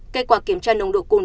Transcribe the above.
kết quả kiểm tra nồng độ cồn